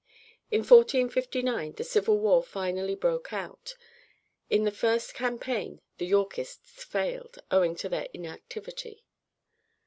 In 1459 the civil war finally broke out. In the first campaign the Yorkists failed, owing to their inactivity.